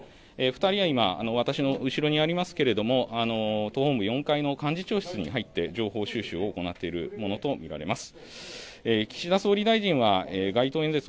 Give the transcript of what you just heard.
２人は今私の後ろにありますけれども党本部４階の幹事長室に入って情報収集を行っているものと見られます。